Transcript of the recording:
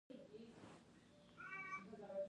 آیا موږ یو جسد یو؟